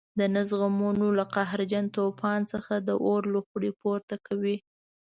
د نه زغملو له قهرجن توپان څخه د اور لوخړې پورته کوي.